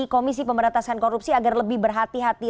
komisi pemberantasan korupsi agar lebih berhati hati